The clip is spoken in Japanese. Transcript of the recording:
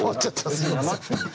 すいません。